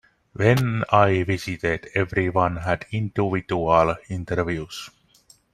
When I visited everyone had individual interviews.